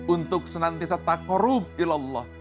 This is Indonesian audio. untuk senantiasa tak korup ilallah